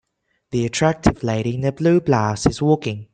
The attractive lady in the blue blouse is walking.